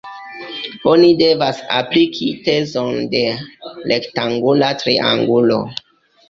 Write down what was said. Oni devas apliki tezon de rektangula triangulo.